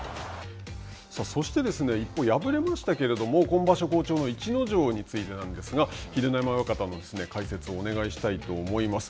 そして、一方敗れましたけれども、今場所好調の逸ノ城についてなんですが秀ノ山親方の解説をお願いしたいと思います。